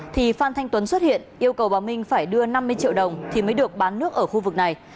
thì phan thanh tuấn xuất hiện yêu cầu bà minh phải đưa năm mươi triệu đồng thì mới được bán nước ở khu vực này